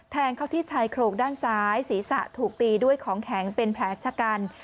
แทงเข้าที่ชายโครงด้านซ้ายศีรษะถูกตีด้วยของแข็งเป็นแผลชะกัน